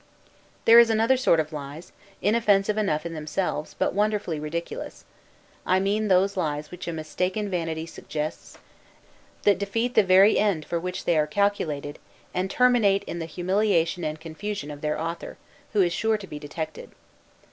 There is another sort of lies, inoffensive enough in themselves, but wonderfully ridiculous; I mean those lies which a mistaken vanity suggests, that defeat the very end for which they are calculated, and terminate in the humiliation and confusion of their author, who is sure to be detected.